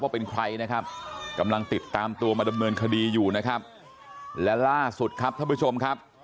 เป็นใครนะครับกำลังติดตามตัวมาดำเนินคดีอยู่นะครับและล่าสุดครับท่านผู้ชมครับ